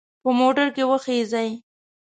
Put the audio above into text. په موټر کې وخیژئ.